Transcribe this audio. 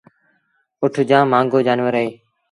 اُٺ جآم مآݩگو جآنور اهي